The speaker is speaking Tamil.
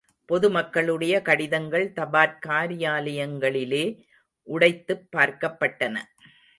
பொது மக்களுடைய கடிதங்கள் தபாற் காரியாலங்களிலே உடைத்துப் பார்க்கப்பட்டன.